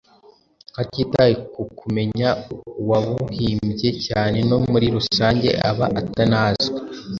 hatitawe ku kumenya uwabuhimbye, cyane ko muri rusange aba atanazwi.